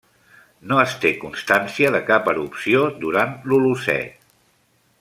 No es té constància de cap erupció durant l'Holocè.